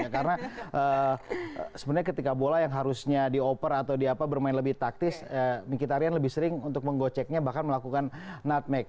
karena sebenarnya ketika bola yang harusnya dioper atau bermain lebih taktis mkhitaryan lebih sering untuk menggoceknya bahkan melakukan nutmeg